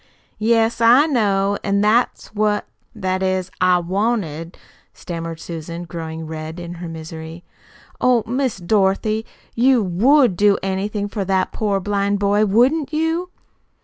"Yes, I know. An' that's what that is, I wanted " stammered Susan, growing red in her misery. "Oh, Miss Dorothy, you WOULD do anything for that poor blind boy, wouldn't you?"